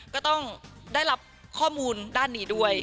ก็ต้องได้รับข้อมูลด้านนี้ด้วย